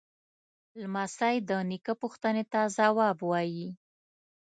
لمسی د نیکه پوښتنې ته ځواب وايي.